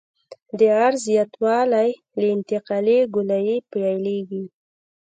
د عرض زیاتوالی له انتقالي ګولایي پیلیږي